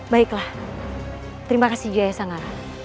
baiklah terima kasih jaya sanggara